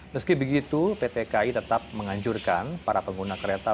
meski begitu pt ki tetap menganjurkan para pengguna kereta